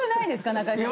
中居さん。